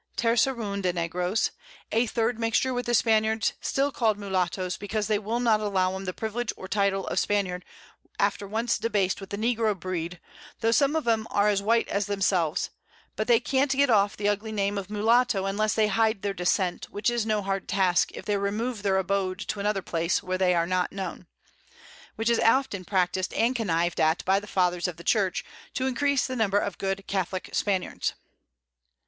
Terceroon de Negroes, a third Mixture with the Spaniards, still call'd Mullattoes, because they will not allow 'em the Privilege or Title of Spaniard after once debas'd with the Negro Breed, tho' some of 'em are as white as themselves; but they can't get off the ugly Name of Mullatto, unless they hide their Descent, which is no hard Task, if they remove their Abode to another Place where they are not known, which is often practis'd and conniv'd at by the Fathers of the Church, to increase the Number of good Catholick Spaniards.